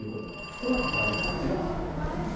このあとパラリンピックがやってきます。